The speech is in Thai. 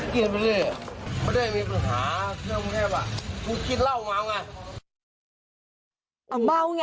กินไม่ได้ไม่ได้มีปัญหาเครื่องแพร่บอ่ะกูกินเหล้าเมาไง